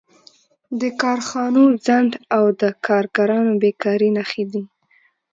د کارخانو ځنډ او د کارګرانو بېکاري نښې دي